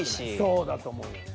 そうだと思うよね。